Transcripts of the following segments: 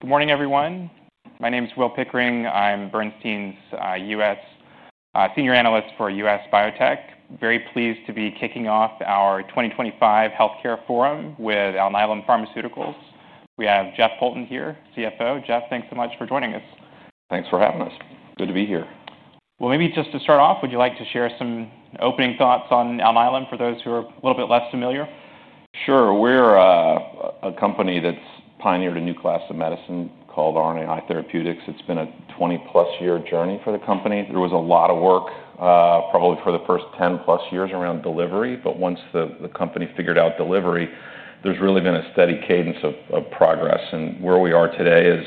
Good morning, everyone. My name is Will Pickering. I'm Bernstein's U.S. senior analyst for U.S. biotech. Very pleased to be kicking off our 2025 Healthcare Forum with Alnylam Pharmaceuticals. We have Jeff Poulton here, CFO. Jeff, thanks so much for joining us. Thanks for having us. Good to be here. Maybe just to start off, would you like to share some opening thoughts on Alnylam for those who are a little bit less familiar? Sure. We're a company that's pioneered a new class of medicine called RNAi therapeutics. It's been a 20+ year journey for the company. There was a lot of work, probably for the first 10+ years around delivery, but once the company figured out delivery, there's really been a steady cadence of progress. Where we are today is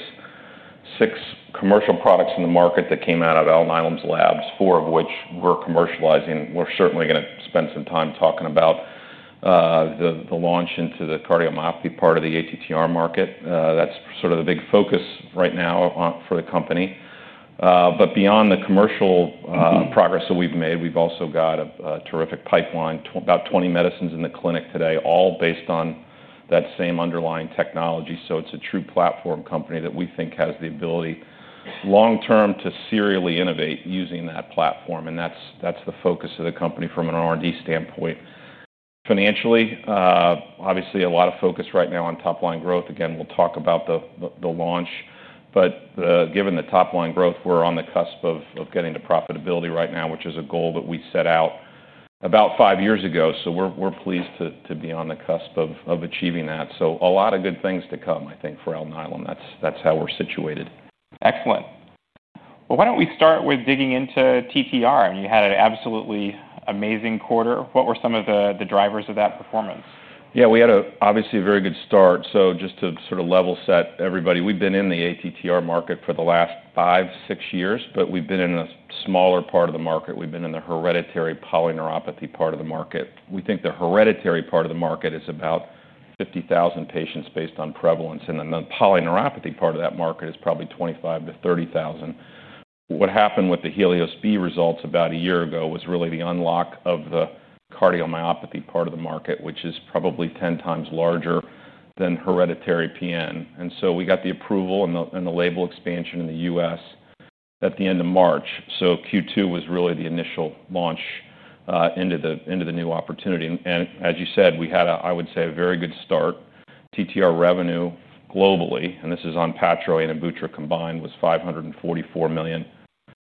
six commercial products in the market that came out of Alnylam's labs, four of which we're commercializing. We're certainly going to spend some time talking about the launch into the cardiomyopathy part of the ATTR market. That's sort of the big focus right now for the company. Beyond the commercial progress that we've made, we've also got a terrific pipeline, about 20 medicines in the clinic today, all based on that same underlying technology. It's a true platform company that we think has the ability long-term to serially innovate using that platform. That's the focus of the company from an R&D standpoint. Financially, obviously a lot of focus right now on top-line growth. Again, we'll talk about the launch, but given the top-line growth, we're on the cusp of getting to profitability right now, which is a goal that we set out about five years ago. We're pleased to be on the cusp of achieving that. A lot of good things to come, I think, for Alnylam. That's how we're situated. Excellent. Why don't we start with digging into TTR? I mean, you had an absolutely amazing quarter. What were some of the drivers of that performance? Yeah, we had obviously a very good start. Just to sort of level set everybody, we've been in the ATTR market for the last five, six years, but we've been in a smaller part of the market. We've been in the hereditary polyneuropathy part of the market. We think the hereditary part of the market is about 50,000 patients based on prevalence, and then the polyneuropathy part of that market is probably 25,000-30,000. What happened with the HELIOS-B results about a year ago was really the unlock of the cardiomyopathy part of the market, which is probably 10x larger than hereditary PN. We got the approval and the label expansion in the U.S. at the end of March. Q2 was really the initial launch into the new opportunity. As you said, we had a, I would say, a very good start. TTR revenue globally, and this is ONPATTRO and AMVUTTRA combined, was $544 million,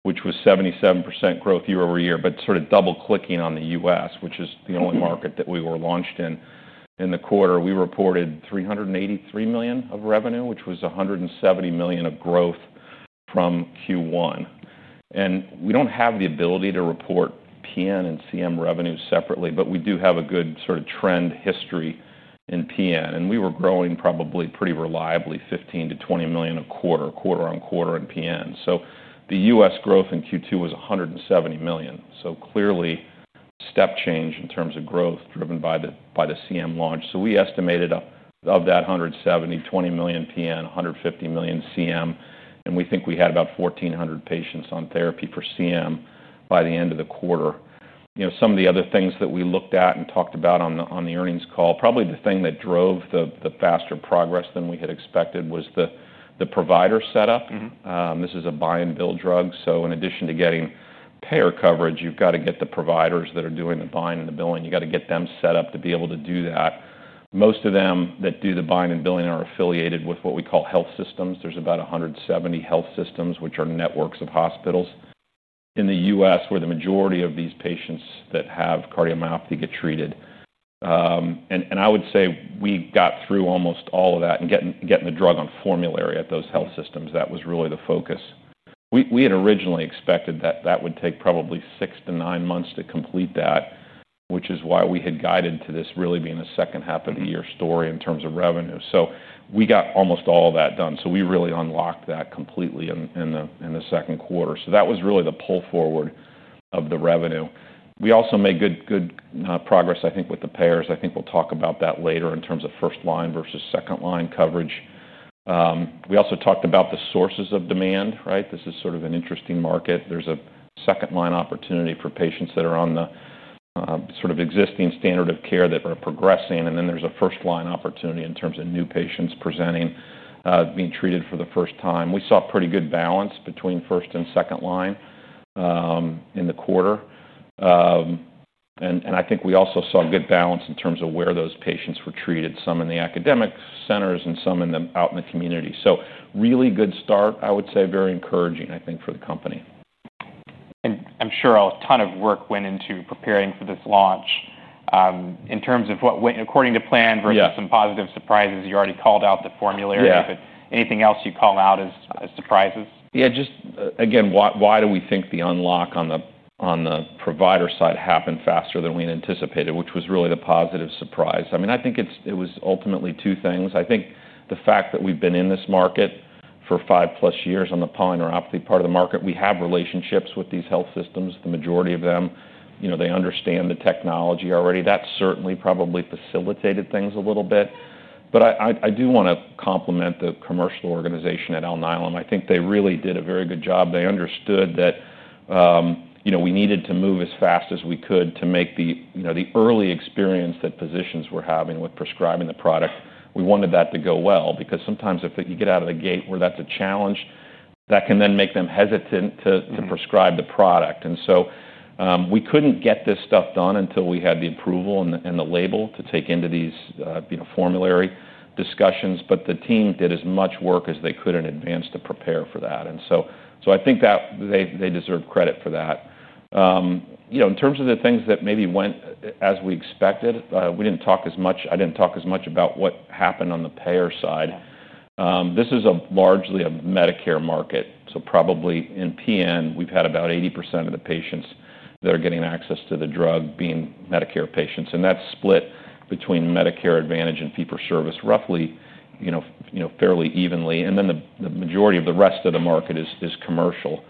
which was 77% growth year-over-year. Double clicking on the U.S., which is the only market that we were launched in, in the quarter, we reported $383 million of revenue, which was $170 million of growth from Q1. We don't have the ability to report PN and CM revenue separately, but we do have a good sort of trend history in PN. We were growing probably pretty reliably $15 million-$20 million a quarter, quarter on quarter in PN. The U.S. growth in Q2 was $170 million. Clearly, step change in terms of growth driven by the CM launch. We estimated of that $170 million, $20 million PN, $150 million CM, and we think we had about 1,400 patients on therapy for CM by the end of the quarter. Some of the other things that we looked at and talked about on the earnings call, probably the thing that drove the faster progress than we had expected was the provider setup. This is a buy and bill drug. In addition to getting payer coverage, you've got to get the providers that are doing the buying and the billing, you've got to get them set up to be able to do that. Most of them that do the buying and billing are affiliated with what we call health systems. There's about 170 health systems, which are networks of hospitals in the U.S., where the majority of these patients that have cardiomyopathy get treated. I would say we got through almost all of that and getting the drug on formulary at those health systems. That was really the focus. We had originally expected that that would take probably six to nine months to complete that, which is why we had guided to this really being a second half of the year story in terms of revenue. We got almost all of that done. We really unlocked that completely in the second quarter. That was really the pull forward of the revenue. We also made good progress, I think, with the payers. I think we'll talk about that later in terms of first line versus second line coverage. We also talked about the sources of demand, right? This is sort of an interesting market. There's a second line opportunity for patients that are on the sort of existing standard of care that are progressing. Then there's a first line opportunity in terms of new patients presenting, being treated for the first time. We saw pretty good balance between first and second line in the quarter. I think we also saw good balance in terms of where those patients were treated, some in the academic centers and some out in the community. Really good start, I would say very encouraging, I think, for the company. I'm sure a ton of work went into preparing for this launch in terms of what went according to plan versus some positive surprises. You already called out the formulary. Anything else you call out as surprises? Yeah, just again, why do we think the unlock on the provider side happened faster than we anticipated, which was really the positive surprise? I mean, I think it was ultimately two things. I think the fact that we've been in this market for 5+ years on the polyneuropathy part of the market, we have relationships with these health systems, the majority of them. They understand the technology already. That certainly probably facilitated things a little bit. I do want to compliment the commercial organization at Alnylam. I think they really did a very good job. They understood that we needed to move as fast as we could to make the early experience that physicians were having with prescribing the product. We wanted that to go well because sometimes if you get out of the gate where that's a challenge, that can then make them hesitant to prescribe the product. We couldn't get this stuff done until we had the approval and the label to take into these formulary discussions. The team did as much work as they could in advance to prepare for that. I think that they deserve credit for that. In terms of the things that maybe went as we expected, we didn't talk as much. I didn't talk as much about what happened on the payer side. This is largely a Medicare market. Probably in PN, we've had about 80% of the patients that are getting access to the drug being Medicare patients. That's split between Medicare Advantage and fee-for-service roughly, fairly evenly. The majority of the rest of the market is commercial.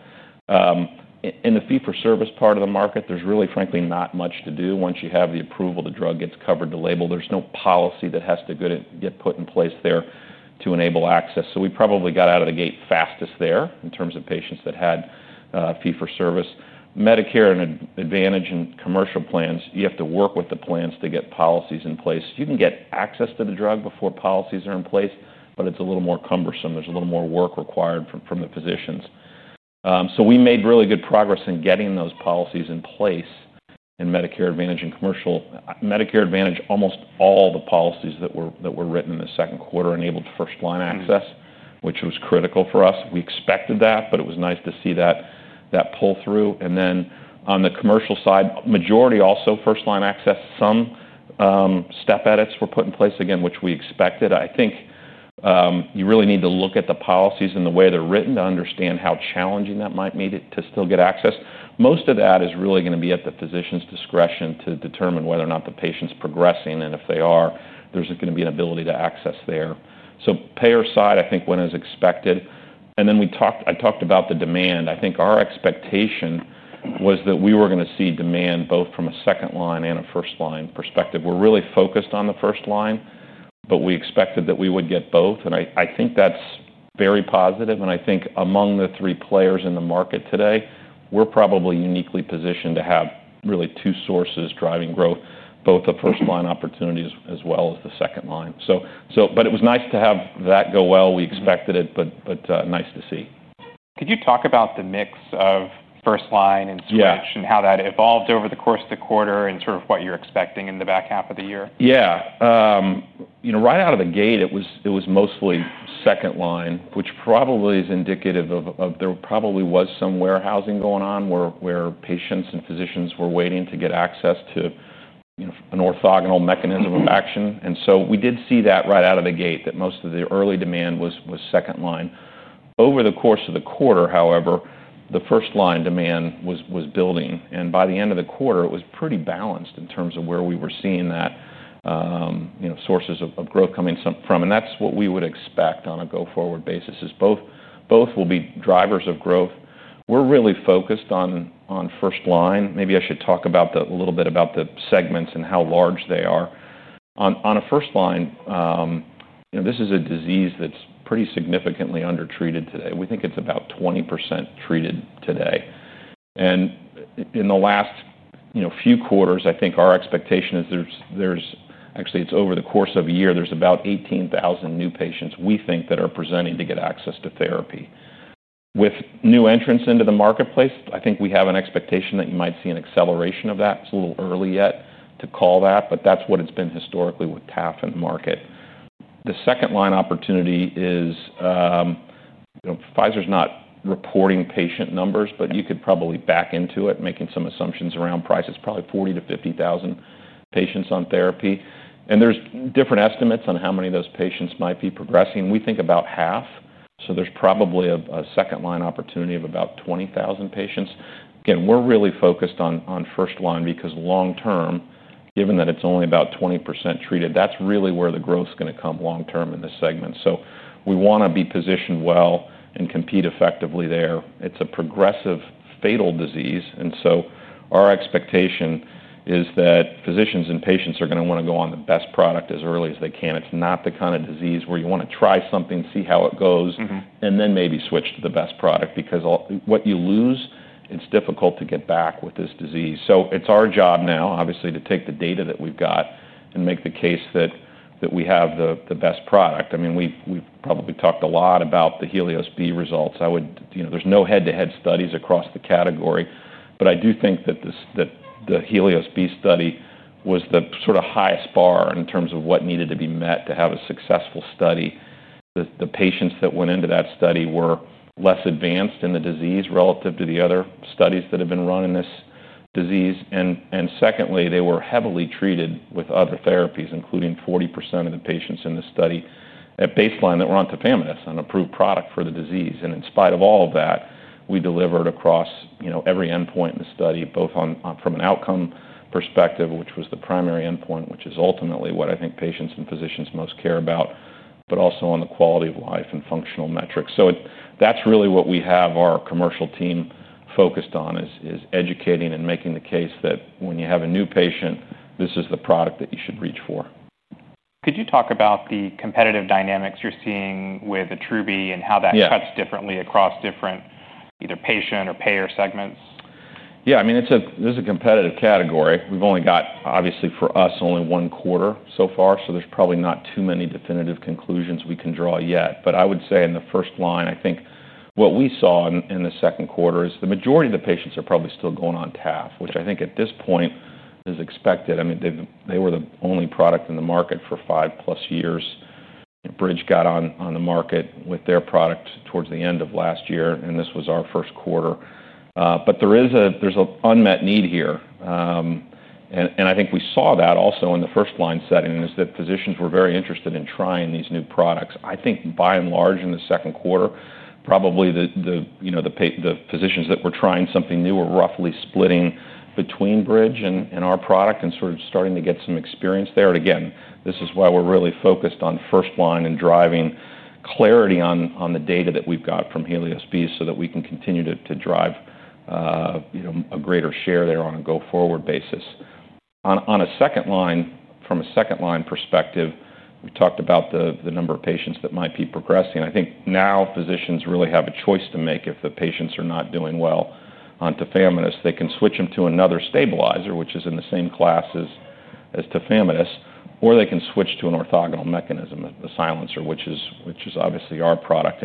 In the fee-for-service part of the market, there's really frankly not much to do. Once you have the approval, the drug gets covered to label. There's no policy that has to get put in place there to enable access. We probably got out of the gate fastest there in terms of patients that had fee-for-service. Medicare Advantage and commercial plans, you have to work with the plans to get policies in place. You can get access to the drug before policies are in place, but it's a little more cumbersome. There's a little more work required from the physicians. We made really good progress in getting those policies in place in Medicare Advantage and commercial Medicare Advantage. Almost all the policies that were written in the second quarter enabled first line access, which was critical for us. We expected that, but it was nice to see that pull through. On the commercial side, majority also first line access. Some step edits were put in place again, which we expected. I think you really need to look at the policies and the way they're written to understand how challenging that might be to still get access. Most of that is really going to be at the physician's discretion to determine whether or not the patient's progressing. If they are, there's going to be an ability to access there. Payer side, I think went as expected. I talked about the demand. I think our expectation was that we were going to see demand both from a second line and a first line perspective. We're really focused on the first line, but we expected that we would get both. I think that's very positive. I think among the three players in the market today, we're probably uniquely positioned to have really two sources driving growth, both the first line opportunities as well as the second line. It was nice to have that go well. We expected it, but nice to see. Could you talk about the mix of first line and speech and how that evolved over the course of the quarter, and sort of what you're expecting in the back half of the year? Yeah. You know, right out of the gate, it was mostly second line, which probably is indicative of there probably was some warehousing going on where patients and physicians were waiting to get access to an orthogonal mechanism of action. We did see that right out of the gate that most of the early demand was second line. Over the course of the quarter, however, the first line demand was building. By the end of the quarter, it was pretty balanced in terms of where we were seeing that, you know, sources of growth coming from. That's what we would expect on a go-forward basis is both will be drivers of growth. We're really focused on first line. Maybe I should talk a little bit about the segments and how large they are. On a first line, you know, this is a disease that's pretty significantly undertreated today. We think it's about 20% treated today. In the last few quarters, I think our expectation is there's actually, it's over the course of a year, there's about 18,000 new patients we think that are presenting to get access to therapy. With new entrants into the marketplace, I think we have an expectation that you might see an acceleration of that. It's a little early yet to call that, but that's what it's been historically with tafamidis and the market. The second line opportunity is, you know, Pfizer's not reporting patient numbers, but you could probably back into it, making some assumptions around prices, probably 40,000-50,000 patients on therapy. There's different estimates on how many of those patients might be progressing. We think about half. So there's probably a second line opportunity of about 20,000 patients. Again, we're really focused on first line because long term, given that it's only about 20% treated, that's really where the growth is going to come long term in this segment. We want to be positioned well and compete effectively there. It's a progressive fatal disease. Our expectation is that physicians and patients are going to want to go on the best product as early as they can. It's not the kind of disease where you want to try something, see how it goes, and then maybe switch to the best product because what you lose, it's difficult to get back with this disease. It's our job now, obviously, to take the data that we've got and make the case that we have the best product. I mean, we've probably talked a lot about the HELIOS-B results. I would, you know, there's no head-to-head studies across the category, but I do think that the HELIOS-B study was the sort of highest bar in terms of what needed to be met to have a successful study. The patients that went into that study were less advanced in the disease relative to the other studies that have been run in this disease. Secondly, they were heavily treated with other therapies, including 40% of the patients in the study at baseline that were on tafamidis, an approved product for the disease. In spite of all of that, we delivered across, you know, every endpoint in the study, both from an outcome perspective, which was the primary endpoint, which is ultimately what I think patients and physicians most care about, but also on the quality of life and functional metrics. That's really what we have our commercial team focused on is educating and making the case that when you have a new patient, this is the product that you should reach for. Could you talk about the competitive dynamics you're seeing with AMVUTTRA and how that's different across different either patient or payer segments? Yeah, I mean, it's a competitive category. We've only got, obviously for us, only one quarter so far. There's probably not too many definitive conclusions we can draw yet. I would say in the first line, I think what we saw in the second quarter is the majority of the patients are probably still going on taf, which I think at this point is expected. I mean, they were the only product in the market for 5+ years. Bridge got on the market with their product towards the end of last year, and this was our first quarter. There is an unmet need here. I think we saw that also in the first line setting, that physicians were very interested in trying these new products. I think by and large in the second quarter, the physicians that were trying something new were roughly splitting between Bridge and our product and starting to get some experience there. This is why we're really focused on first line and driving clarity on the data that we've got from HELIOS-B so that we can continue to drive a greater share there on a go-forward basis. From a second line perspective, we talked about the number of patients that might be progressing. I think now physicians really have a choice to make if the patients are not doing well on tafamidis. They can switch them to another stabilizer, which is in the same class as tafamidis, or they can switch to an orthogonal mechanism, the Silencer, which is obviously our product.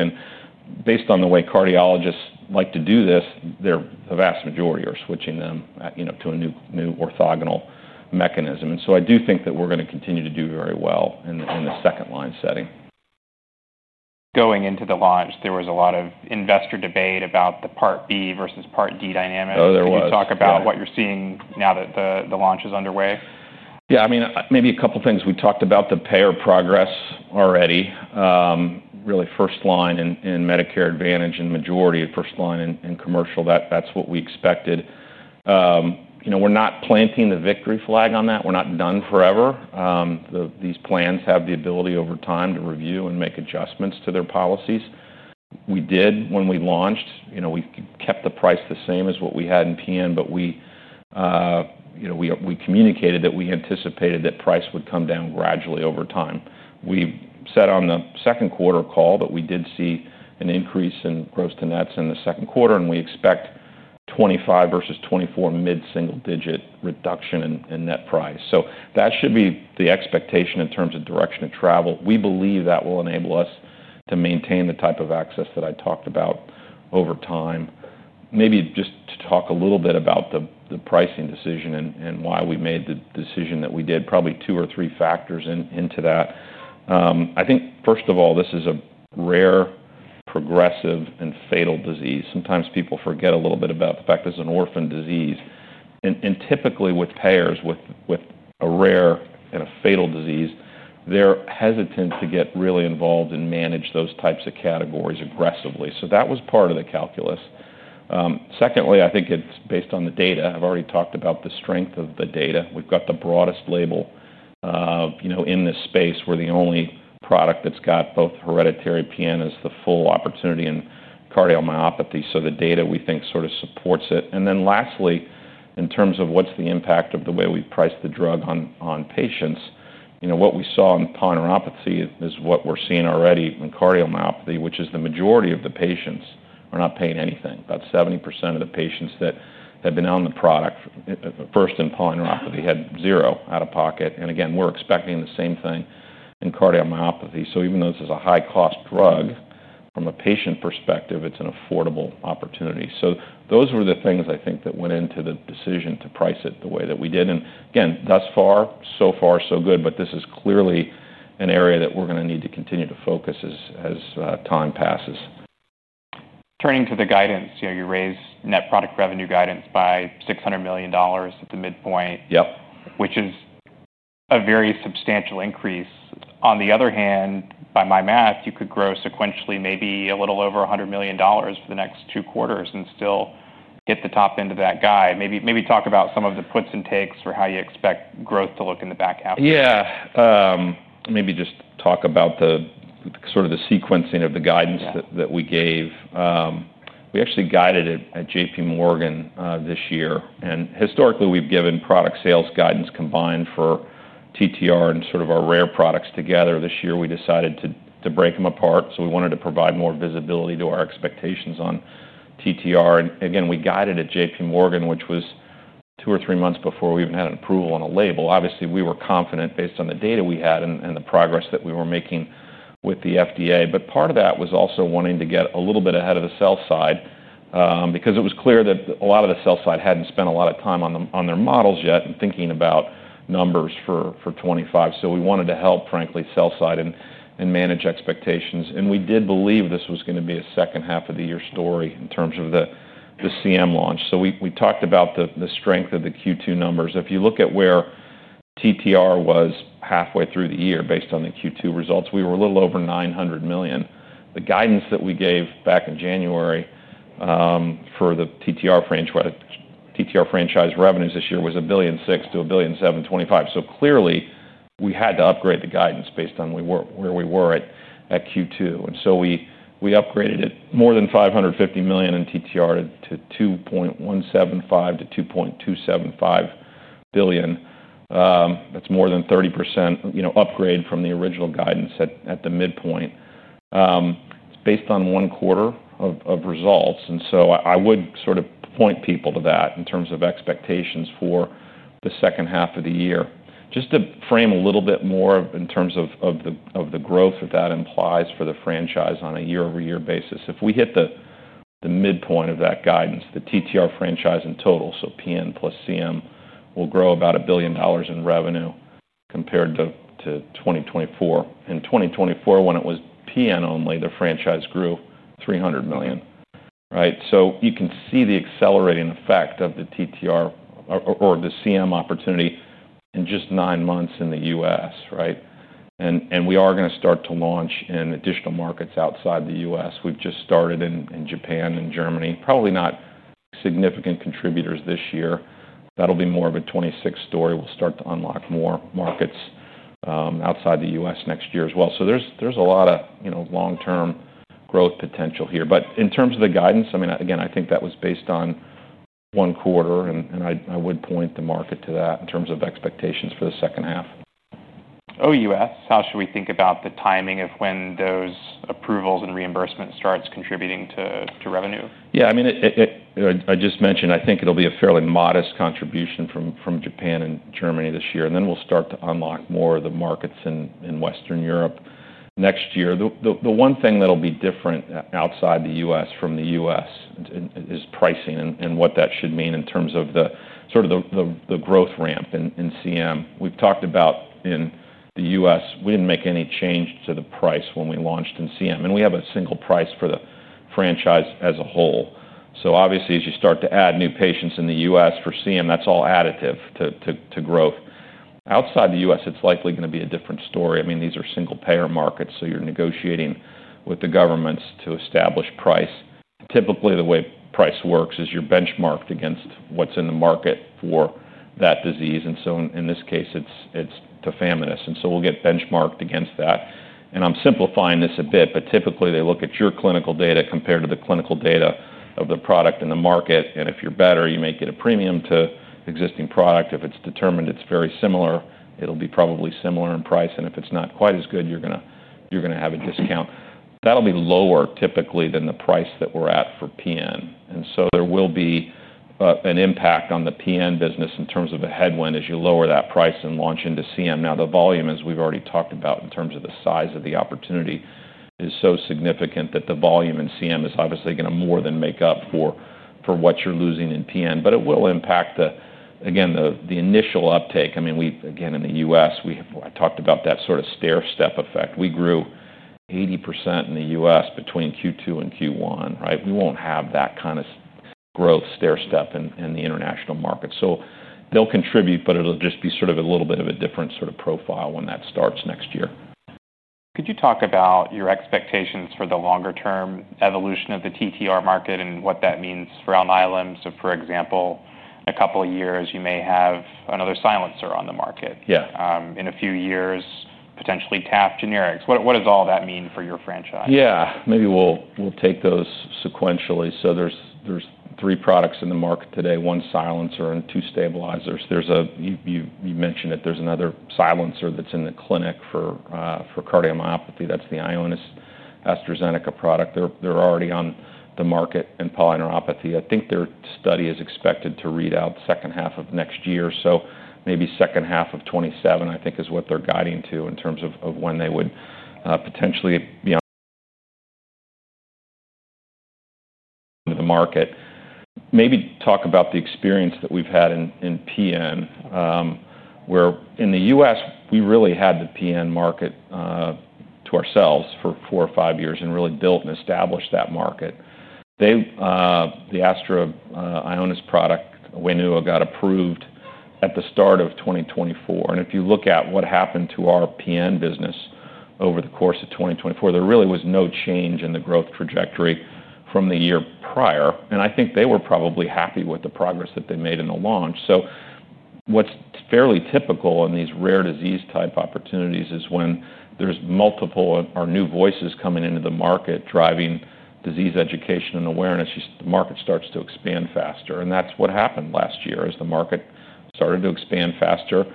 Based on the way cardiologists like to do this, the vast majority are switching them to a new orthogonal mechanism. I do think that we're going to continue to do very well in the second line setting. Going into the launch, there was a lot of investor debate about the part B versus part D dynamics. Can you talk about what you're seeing now that the launch is underway? Yeah, I mean, maybe a couple of things. We talked about the payer progress already. Really, first line in Medicare Advantage and the majority of first line in commercial, that's what we expected. We're not planting the victory flag on that. We're not done forever. These plans have the ability over time to review and make adjustments to their policies. When we launched, we kept the price the same as what we had in PN, but we communicated that we anticipated that price would come down gradually over time. We said on the second quarter call that we did see an increase in gross to nets in the second quarter, and we expect 2025 versus 2024 mid-single-digit reduction in net price. That should be the expectation in terms of direction of travel. We believe that will enable us to maintain the type of access that I talked about over time. Maybe just to talk a little bit about the pricing decision and why we made the decision that we did, probably two or three factors into that. First of all, this is a rare, progressive, and fatal disease. Sometimes people forget a little bit about the fact that it's an orphan disease. Typically with payers, with a rare and a fatal disease, they're hesitant to get really involved and manage those types of categories aggressively. That was part of the calculus. Secondly, I think it's based on the data. I've already talked about the strength of the data. We've got the broadest label in this space. We're the only product that's got both hereditary PN as the full opportunity in cardiomyopathy. The data we think sort of supports it. Lastly, in terms of what's the impact of the way we price the drug on patients, what we saw in polyneuropathy is what we're seeing already in cardiomyopathy, which is the majority of the patients are not paying anything. About 70% of the patients that have been on the product, first in polyneuropathy, had zero out of pocket. We're expecting the same thing in cardiomyopathy. Even though this is a high-cost drug, from a patient perspective, it's an affordable opportunity. Those were the things I think that went into the decision to price it the way that we did. Thus far, so far, so good. This is clearly an area that we're going to need to continue to focus as time passes. Turning to the guidance, you raised net product revenue guidance by $600 million at the midpoint, which is a very substantial increase. On the other hand, by my math, you could grow sequentially maybe a little over $100 million for the next two quarters and still hit the top end of that guidance. Maybe talk about some of the puts and takes or how you expect growth to look in the back half. Yeah, maybe just talk about the sort of the sequencing of the guidance that we gave. We actually guided it at JP Morgan this year. Historically, we've given product sales guidance combined for TTR and sort of our rare products together. This year, we decided to break them apart. We wanted to provide more visibility to our expectations on TTR. Again, we guided at JP Morgan, which was two or three months before we even had an approval on a label. Obviously, we were confident based on the data we had and the progress that we were making with the FDA. Part of that was also wanting to get a little bit ahead of the sell side because it was clear that a lot of the sell side hadn't spent a lot of time on their models yet and thinking about numbers for 2025. We wanted to help, frankly, sell side and manage expectations. We did believe this was going to be a second half of the year story in terms of the CM launch. We talked about the strength of the Q2 numbers. If you look at where TTR was halfway through the year based on the Q2 results, we were a little over $900 million. The guidance that we gave back in January for the TTR franchise revenues this year was $1.6 billion to $1.725 billion. Clearly, we had to upgrade the guidance based on where we were at Q2. We upgraded it more than $550 million in TTR to $2.175 billion to $2.275 billion. That's more than a 30% upgrade from the original guidance at the midpoint. It's based on one quarter of results. I would sort of point people to that in terms of expectations for the second half of the year. Just to frame a little bit more in terms of the growth that that implies for the franchise on a year-over-year basis, if we hit the midpoint of that guidance, the TTR franchise in total, so PN plus CM, will grow about $1 billion in revenue compared to 2024. In 2024, when it was PN only, the franchise grew $300 million. Right. You can see the accelerating effect of the TTR or the CM opportunity in just nine months in the U.S., right? We are going to start to launch in additional markets outside the U.S. We've just started in Japan and Germany, probably not significant contributors this year. That'll be more of a 2026 story. We'll start to unlock more markets outside the U.S. next year as well. There's a lot of long-term growth potential here. In terms of the guidance, I mean, again, I think that was based on one quarter. I would point the market to that in terms of expectations for the second half. Oh, U.S. How should we think about the timing of when those approvals and reimbursement starts contributing to revenue? Yeah, I mean, I just mentioned, I think it'll be a fairly modest contribution from Japan and Germany this year. Then we'll start to unlock more of the markets in Western Europe next year. The one thing that'll be different outside the U.S. from the U.S. is pricing and what that should mean in terms of the sort of the growth ramp in CM. We've talked about in the U.S., we didn't make any change to the price when we launched in CM, and we have a single price for the franchise as a whole. Obviously, as you start to add new patients in the U.S. for CM, that's all additive to growth. Outside the U.S., it's likely going to be a different story. These are single-payer markets, so you're negotiating with the governments to establish price. Typically, the way price works is you're benchmarked against what's in the market for that disease. In this case, it's tafamidis, and so we'll get benchmarked against that. I'm simplifying this a bit, but typically, they look at your clinical data compared to the clinical data of the product in the market. If you're better, you may get a premium to existing product. If it's determined it's very similar, it'll be probably similar in price. If it's not quite as good, you're going to have a discount. That'll be lower typically than the price that we're at for PN, and so there will be an impact on the PN business in terms of a headwind as you lower that price and launch into CM. Now, the volume, as we've already talked about in terms of the size of the opportunity, is so significant that the volume in CM is obviously going to more than make up for what you're losing in PN. It will impact the, again, the initial uptake. In the U.S., we talked about that sort of stairstep effect. We grew 80% in the U.S. between Q2 and Q1. Right. We won't have that kind of growth stairstep in the international market. They'll contribute, but it'll just be sort of a little bit of a different sort of profile when that starts next year. Could you talk about your expectations for the longer-term evolution of the TTR market and what that means for Alnylam? For example, in a couple of years, you may have another Silencer on the market. In a few years, potentially tafamidis generics. What does all that mean for your franchise? Yeah, maybe we'll take those sequentially. There are three products in the market today, one Silencer and two stabilizers. You mentioned it, there's another Silencer that's in the clinic for cardiomyopathy. That's the Ionis AstraZeneca product. They're already on the market in polyneuropathy. I think their study is expected to read out second half of next year. Maybe second half of 2027, I think, is what they're guiding to in terms of when they would potentially be on the market. Maybe talk about the experience that we've had in PN, where in the U.S., we really had the PN market to ourselves for four or five years and really built and established that market. The AstraZeneca Ionis product, Wainzua, got approved at the start of 2024. If you look at what happened to our PN business over the course of 2024, there really was no change in the growth trajectory from the year prior. I think they were probably happy with the progress that they made in the launch. What's fairly typical in these rare disease type opportunities is when there are multiple or new voices coming into the market, driving disease education and awareness, the market starts to expand faster. That is what happened last year as the market started to expand faster.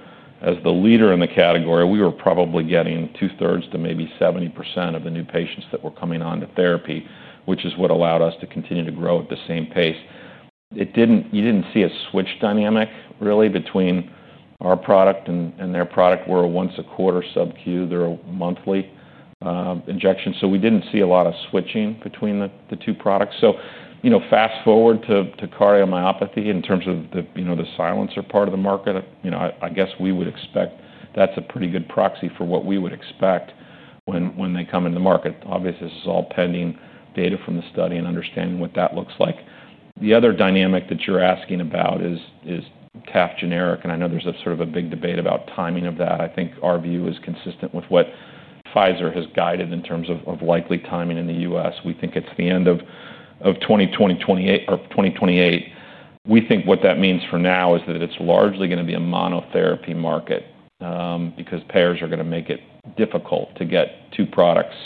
As the leader in the category, we were probably getting two-thirds to maybe 70% of the new patients that were coming on to therapy, which is what allowed us to continue to grow at the same pace. You didn't see a switch dynamic really between our product and their product. We're a once-a-quarter subq, they're a monthly injection. We didn't see a lot of switching between the two products. Fast forward to cardiomyopathy in terms of the Silencer part of the market. I guess we would expect that's a pretty good proxy for what we would expect when they come into the market. Obviously, this is all pending data from the study and understanding what that looks like. The other dynamic that you're asking about is tafamidis generic. I know there's a sort of a big debate about timing of that. I think our view is consistent with what Pfizer has guided in terms of likely timing in the U.S. We think it's the end of 2028. We think what that means for now is that it's largely going to be a monotherapy market because payers are going to make it difficult to get two products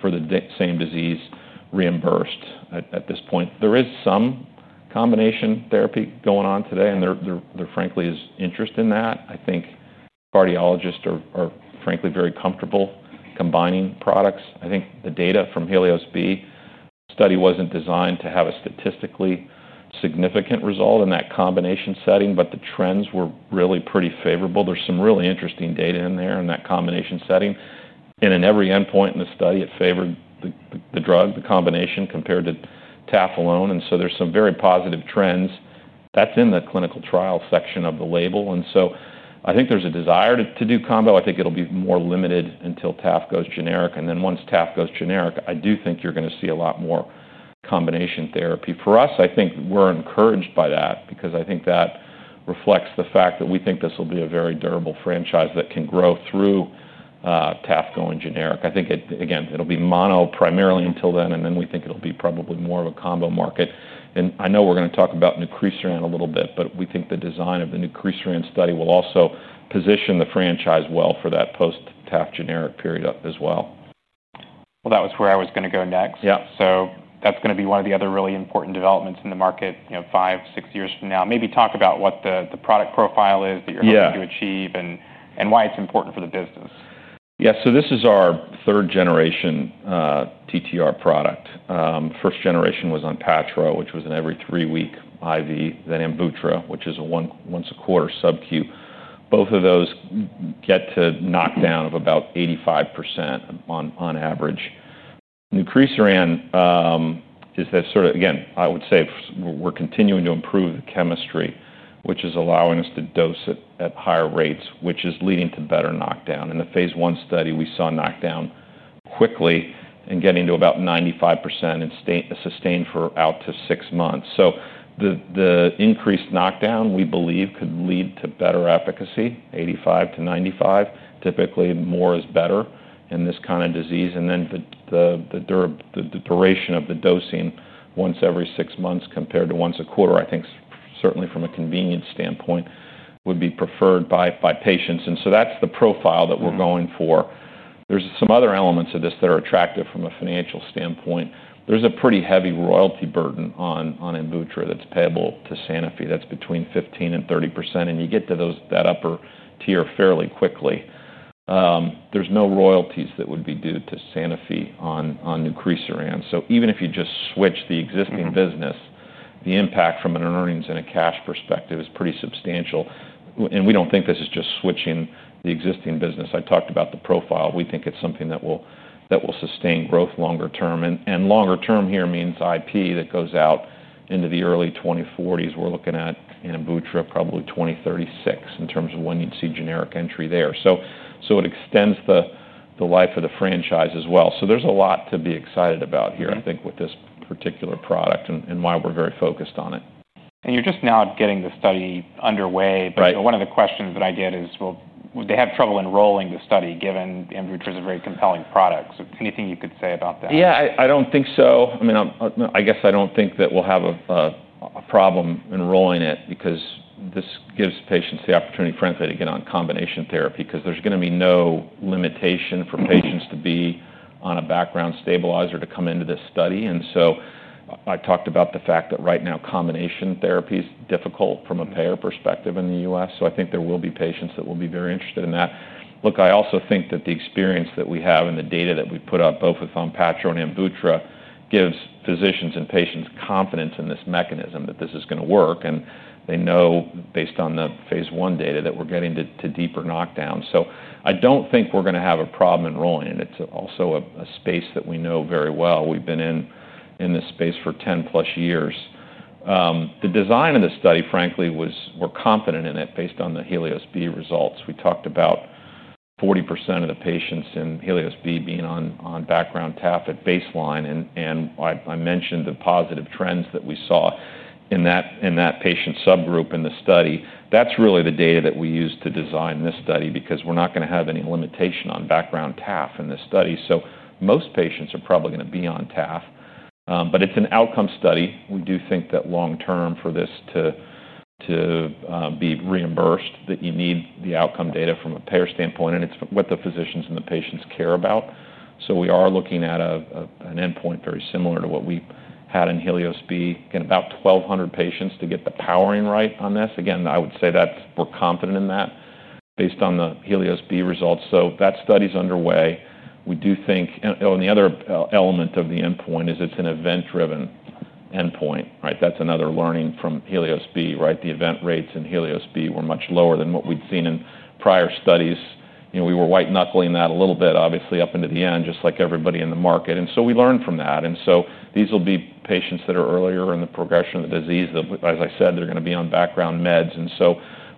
for the same disease reimbursed at this point. There is some combination therapy going on today, and there frankly is interest in that. I think cardiologists are frankly very comfortable combining products. I think the data from the HELIOS-B study wasn't designed to have a statistically significant result in that combination setting, but the trends were really pretty favorable. There's some really interesting data in there in that combination setting. In every endpoint in the study, it favored the drug, the combination compared to tafamidis. There are some very positive trends. That's in the clinical trial section of the label. I think there's a desire to do combo. I think it'll be more limited until tafamidis goes generic. Once tafamidis goes generic, I do think you're going to see a lot more combination therapy. For us, I think we're encouraged by that because I think that reflects the fact that we think this will be a very durable franchise that can grow through tafamidis going generic. I think, again, it'll be mono primarily until then, and then we think it'll be probably more of a combo market. I know we're going to talk about Nucresiran a little bit, but we think the design of the Nucresiran study will also position the franchise well for that post-tafamidis generic period as well. That was where I was going to go next. Yeah, that's going to be one of the other really important developments in the market, you know, five, six years from now. Maybe talk about what the product profile is that you're hoping to achieve and why it's important for the business. Yeah. This is our third generation TTR product. First generation was ONPATTRO, which was an every three-week IV, then AMVUTTRA, which is a once-a-quarter sub-Q. Both of those get to knockdown of about 85% on average. Nucerisiran is that sort of, again, I would say we're continuing to improve the chemistry, which is allowing us to dose it at higher rates, which is leading to better knockdown. In the phase I study, we saw knockdown quickly and getting to about 95% and sustained for out to six months. The increased knockdown, we believe, could lead to better efficacy, 85%-95%. Typically, more is better in this kind of disease. The duration of the dosing once every six months compared to once a quarter, I think certainly from a convenience standpoint, would be preferred by patients. That's the profile that we're going for. There are some other elements of this that are attractive from a financial standpoint. There's a pretty heavy royalty burden on AMVUTTRA that's payable to Sanofi. That's between 15% and 30%, and you get to that upper tier fairly quickly. There are no royalties that would be due to Sanofi on Nucerisiran. Even if you just switch the existing business, the impact from an earnings and a cash perspective is pretty substantial. We don't think this is just switching the existing business. I talked about the profile. We think it's something that will sustain growth longer term. Longer term here means IP that goes out into the early 2040s. We're looking at AMVUTTRA probably 2036 in terms of when you'd see generic entry there. It extends the life of the franchise as well. There's a lot to be excited about here, I think, with this particular product and why we're very focused on it. You're just now getting the study underway. One of the questions that I get is, they have trouble enrolling the study given AMVUTTRA is a very compelling product. Anything you could say about that? Yeah, I don't think so. I mean, I guess I don't think that we'll have a problem enrolling it because this gives patients the opportunity, frankly, to get on combination therapy because there's going to be no limitation for patients to be on a background stabilizer to come into this study. I talked about the fact that right now combination therapy is difficult from a payer perspective in the U.S. I think there will be patients that will be very interested in that. I also think that the experience that we have and the data that we put up, both with ONPATTRO and AMVUTTRA, gives physicians and patients confidence in this mechanism that this is going to work. They know based on the phase I data that we're getting to deeper knockdown. I don't think we're going to have a problem enrolling it. It's also a space that we know very well. We've been in this space for 10+ years. The design of the study, frankly, was we're confident in it based on the HELIOS-B results. We talked about 40% of the patients in HELIOS-B being on background tafamidis at baseline. I mentioned the positive trends that we saw in that patient subgroup in the study. That's really the data that we used to design this study because we're not going to have any limitation on background taf in this study. Most patients are probably going to be on taf. It's an outcome study. We do think that long term for this to be reimbursed, you need the outcome data from a payer standpoint. It's what the physicians and the patients care about. We are looking at an endpoint very similar to what we had in HELIOS-B. About 1,200 patients to get the powering right on this. Again, I would say that we're confident in that based on the HELIOS-B results. That study is underway. We do think, oh, and the other element of the endpoint is it's an event-driven endpoint. That's another learning from HELIOS-B. The event rates in HELIOS-B were much lower than what we'd seen in prior studies. We were white-knuckling that a little bit, obviously, up into the end, just like everybody in the market. We learned from that. These will be patients that are earlier in the progression of the disease. As I said, they're going to be on background meds.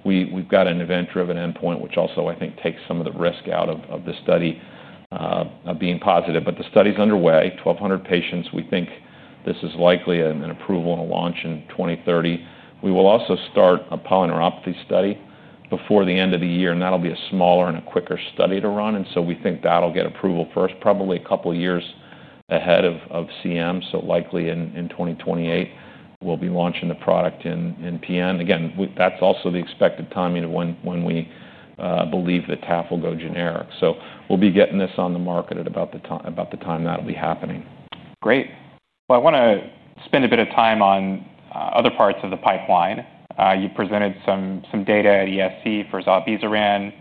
We've got an event-driven endpoint, which also I think takes some of the risk out of the study of being positive. The study is underway. 1,200 patients. We think this is likely an approval and a launch in 2030. We will also start a polyneuropathy study before the end of the year. That'll be a smaller and a quicker study to run, and we think that'll get approval first, probably a couple of years ahead of CM. Likely in 2028, we'll be launching the product in PN. Again, that's also the expected timing of when we believe that tafamidis will go generic. We'll be getting this on the market at about the time that'll be happening. Great. I want to spend a bit of time on other parts of the pipeline. You presented some data at ESC for zilebesiran.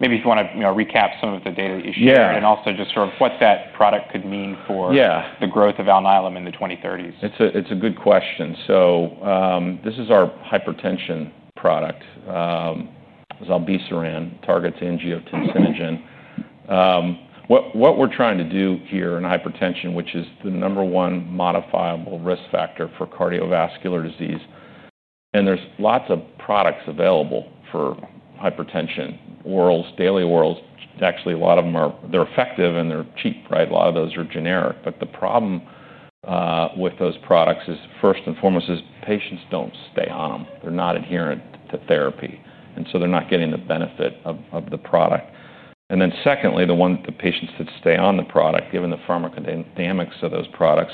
Maybe if you want to recap some of the data that you shared and also just sort of what that product could mean for the growth of Alnylam in the 2030s. It's a good question. This is our hypertension product. Zilebesiran targets angiotensinogen. What we're trying to do here in hypertension, which is the number one modifiable risk factor for cardiovascular disease. There are lots of products available for hypertension, orals, daily orals. Actually, a lot of them are, they're effective and they're cheap. A lot of those are generic. The problem with those products is, first and foremost, patients don't stay on them. They're not adherent to therapy, and they're not getting the benefit of the product. Secondly, the patients that stay on the product, given the pharmacodynamics of those products,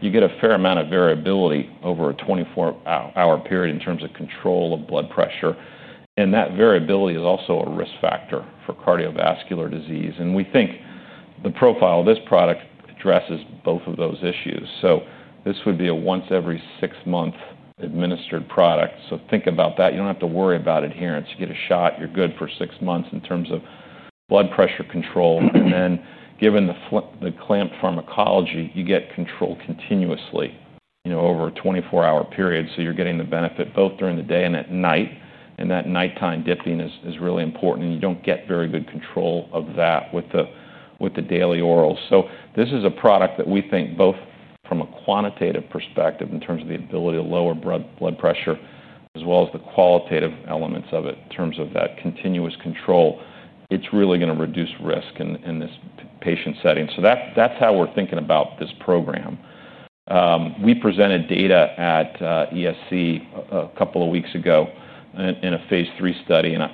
you get a fair amount of variability over a 24-hour period in terms of control of blood pressure. That variability is also a risk factor for cardiovascular disease. We think the profile of this product addresses both of those issues. This would be a once every six month administered product. Think about that. You don't have to worry about adherence. You get a shot, you're good for six months in terms of blood pressure control. Given the clamp pharmacology, you get control continuously over a 24-hour period. You're getting the benefit both during the day and at night. That nighttime dipping is really important, and you don't get very good control of that with the daily orals. This is a product that we think both from a quantitative perspective in terms of the ability to lower blood pressure, as well as the qualitative elements of it in terms of that continuous control, it's really going to reduce risk in this patient setting. That's how we're thinking about this program. We presented data at ESC a couple of weeks ago in a phase II study. I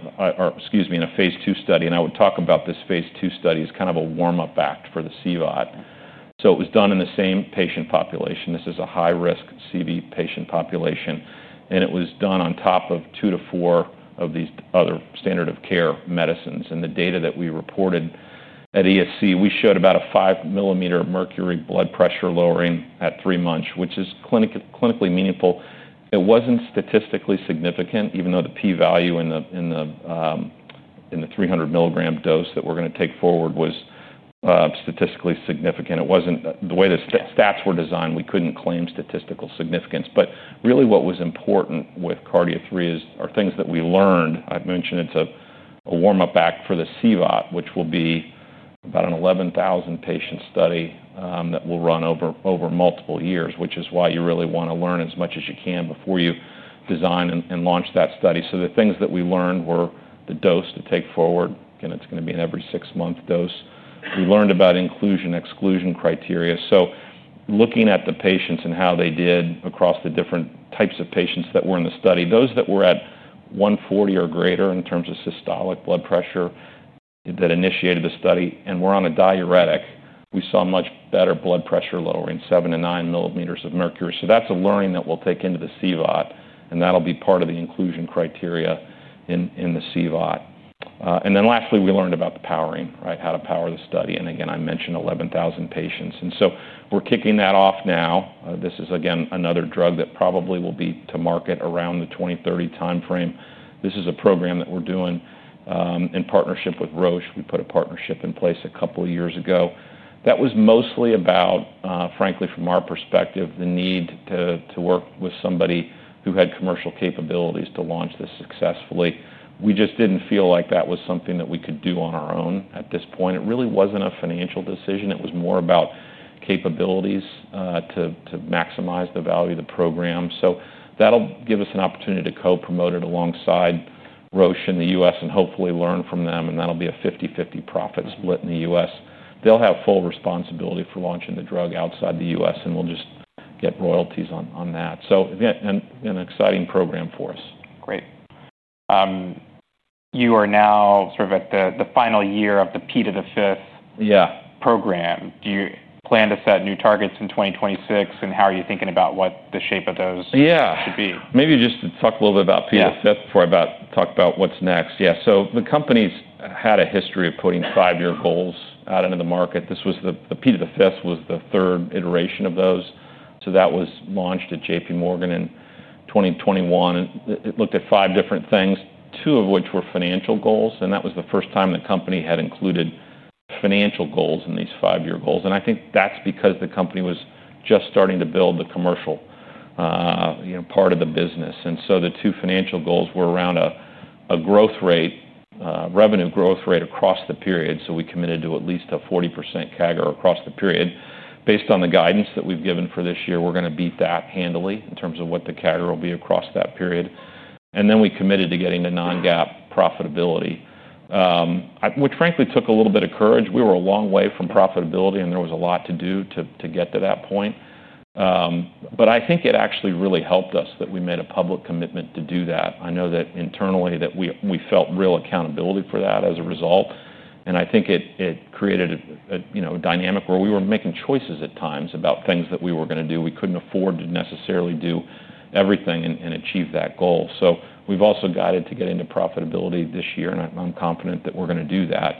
would talk about this phase II study as kind of a warm-up act for the CVOT. It was done in the same patient population. This is a high-risk CV patient population, and it was done on top of two to four of these other standard of care medicines. The data that we reported at ESC, we showed about a 5 mm mercury blood pressure lowering at three months, which is clinically meaningful. It wasn't statistically significant, even though the P-value in the 300 mg dose that we're going to take forward was statistically significant. The way the stats were designed, we couldn't claim statistical significance. What was important with Cardio3 are things that we learned. I mentioned it's a warm-up act for the CVOT, which will be about an 11,000 patient study that will run over multiple years, which is why you really want to learn as much as you can before you design and launch that study. The things that we learned were the dose to take forward. Again, it's going to be an every six-month dose. We learned about inclusion-exclusion criteria. Looking at the patients and how they did across the different types of patients that were in the study, those that were at 140 or greater in terms of systolic blood pressure that initiated the study and were on a diuretic, we saw much better blood pressure lowering, 7 mm-9 mm of mercury. That's a learning that we'll take into the CVOT, and that'll be part of the inclusion criteria in the CVOT. Lastly, we learned about the powering, how to power the study. I mentioned 11,000 patients, and we're kicking that off now. This is another drug that probably will be to market around the 2030 timeframe. This is a program that we're doing in partnership with Roche. We put a partnership in place a couple of years ago. That was mostly about, frankly, from our perspective, the need to work with somebody who had commercial capabilities to launch this successfully. We just didn't feel like that was something that we could do on our own at this point. It really wasn't a financial decision. It was more about capabilities to maximize the value of the program. That'll give us an opportunity to co-promote it alongside Roche in the U.S. and hopefully learn from them. That'll be a 50/50 profit split in the U.S. They'll have full responsibility for launching the drug outside the U.S., and we'll just get royalties on that. An exciting program for us. Great. You are now sort of at the final year of the P to the Fifth program. Do you plan to set new targets in 2026? How are you thinking about what the shape of those should be? Yeah, maybe just to talk a little bit about P to the Fifth before I talk about what's next. The company's had a history of putting five-year goals out into the market. This was the P to the Fifth, was the third iteration of those. That was launched at JPMorgan in 2021. It looked at five different things, two of which were financial goals. That was the first time the company had included financial goals in these five-year goals. I think that's because the company was just starting to build the commercial part of the business. The two financial goals were around a growth rate, revenue growth rate across the period. We committed to at least a 40% CAGR across the period. Based on the guidance that we've given for this year, we're going to beat that handily in terms of what the CAGR will be across that period. We committed to getting the non-GAAP profitability, which frankly took a little bit of courage. We were a long way from profitability and there was a lot to do to get to that point. I think it actually really helped us that we made a public commitment to do that. I know that internally we felt real accountability for that as a result. I think it created a dynamic where we were making choices at times about things that we were going to do. We couldn't afford to necessarily do everything and achieve that goal. We've also got it to get into profitability this year. I'm confident that we're going to do that.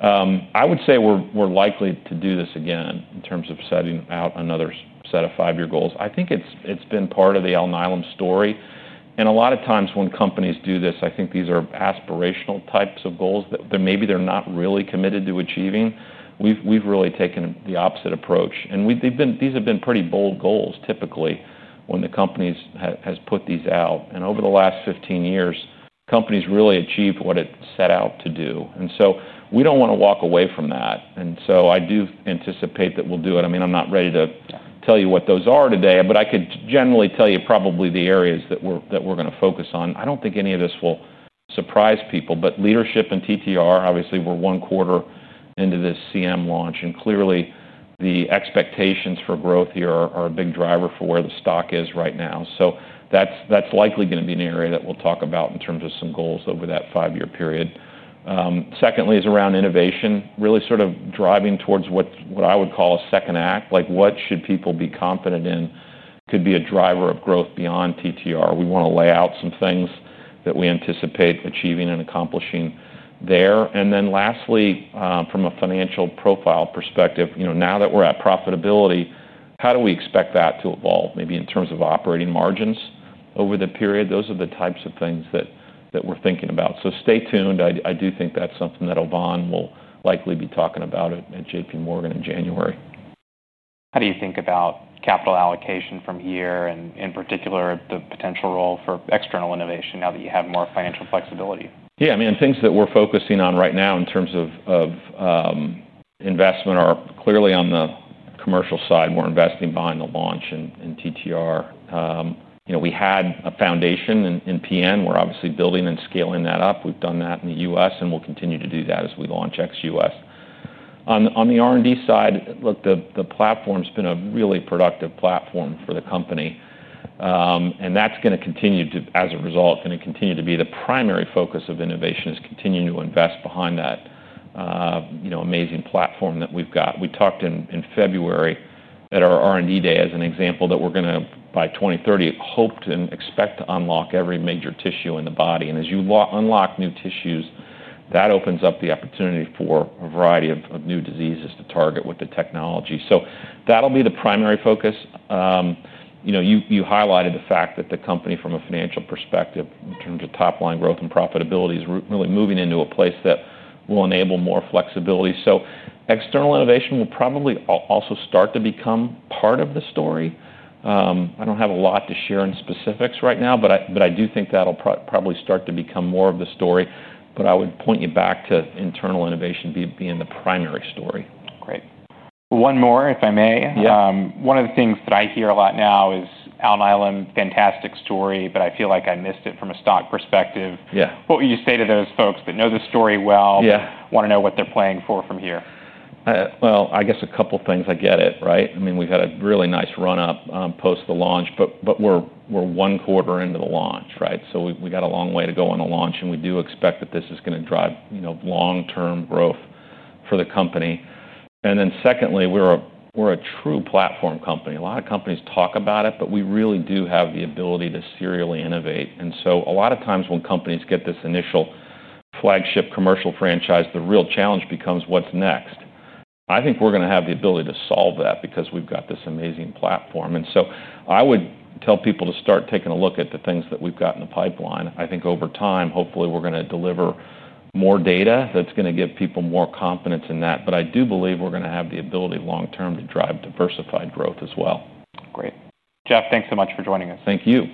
I would say we're likely to do this again in terms of setting out another set of five-year goals. I think it's been part of the Alnylam story. A lot of times when companies do this, I think these are aspirational types of goals that maybe they're not really committed to achieving. We've really taken the opposite approach. These have been pretty bold goals typically when the companies have put these out. Over the last 15 years, companies really achieve what it set out to do. We don't want to walk away from that. I do anticipate that we'll do it. I'm not ready to tell you what those are today, but I could generally tell you probably the areas that we're going to focus on. I don't think any of this will surprise people, but leadership and TTR obviously were one quarter into this CM launch. Clearly, the expectations for growth here are a big driver for where the stock is right now. That's likely going to be an area that we'll talk about in terms of some goals over that five-year period. Secondly, it's around innovation, really sort of driving towards what I would call a second act, like what should people be confident in could be a driver of growth beyond TTR. We want to lay out some things that we anticipate achieving and accomplishing there. Lastly, from a financial profile perspective, you know, now that we're at profitability, how do we expect that to evolve? Maybe in terms of operating margins over the period. Those are the types of things that we're thinking about. Stay tuned. I do think that's something that Yvonne will likely be talking about at JPMorgan in January. How do you think about capital allocation from here, and in particular, the potential role for external innovation now that you have more financial flexibility? Yeah, I mean, things that we're focusing on right now in terms of investment are clearly on the commercial side. We're investing behind the launch in TTR. We had a foundation in PN. We're obviously building and scaling that up. We've done that in the U.S. and we'll continue to do that as we launch XUS. On the R&D side, the platform's been a really productive platform for the company. That's going to continue to, as a result, be the primary focus of innovation, continuing to invest behind that amazing platform that we've got. We talked in February at our R&D day as an example that we're going to, by 2030, hope to and expect to unlock every major tissue in the body. As you unlock new tissues, that opens up the opportunity for a variety of new diseases to target with the technology. That'll be the primary focus. You highlighted the fact that the company, from a financial perspective, in terms of top line growth and profitability, is really moving into a place that will enable more flexibility. External innovation will probably also start to become part of the story. I don't have a lot to share in specifics right now, but I do think that'll probably start to become more of the story. I would point you back to internal innovation being the primary story. Great. One more, if I may. One of the things that I hear a lot now is Alnylam fantastic story, but I feel like I missed it from a stock perspective. What would you say to those folks that know the story well, want to know what they're playing for from here? I guess a couple of things. I get it, right? I mean, we've had a really nice run-up post the launch, but we're one quarter into the launch, right? We've got a long way to go on the launch, and we do expect that this is going to drive, you know, long-term growth for the company. Secondly, we're a true platform company. A lot of companies talk about it, but we really do have the ability to serially innovate. A lot of times when companies get this initial flagship commercial franchise, the real challenge becomes what's next. I think we're going to have the ability to solve that because we've got this amazing platform. I would tell people to start taking a look at the things that we've got in the pipeline. I think over time, hopefully, we're going to deliver more data that's going to give people more confidence in that. I do believe we're going to have the ability long-term to drive diversified growth as well. Great. Jeff, thanks so much for joining us. Thank you.